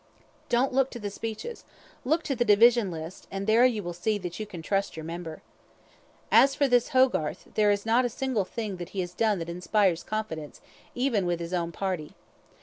Don't look to the speeches look to the division list, and there you will see that you can trust your member. As for this Hogarth, there is not a single thing that he has done that inspires confidence, even with his own party.